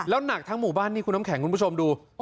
หนักทั้งหมู่บ้านนี่คุณน้ำแข็งคุณผู้ชมดู